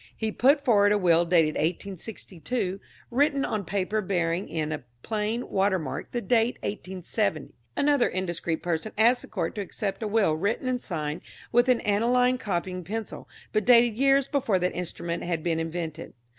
He put forward a will dated 1862, written on paper bearing in a plain watermark the date 1870! Another indiscreet person asked the Court to accept a will written and signed with an aniline copying pencil, but dated years before that instrument had been invented.